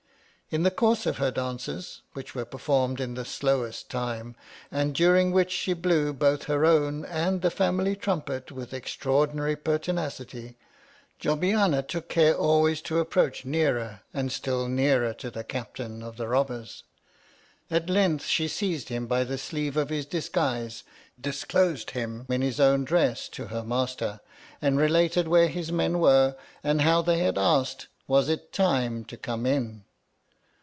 In the course of her dances, which were performed in the slowest time, and during which she blew both her own and the family trumpet with Jobbiana took nearer and still nearer to the Captain of the Bobbers. At length she seized him by the sleeve of his disguise, disclosed him in his as own dress to her master, and related where his men were, and how they had asked Was it time to come in